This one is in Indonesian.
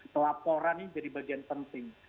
pelaporan ini jadi bagian penting